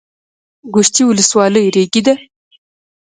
ګوشتې ولسوالۍ ریګي ده؟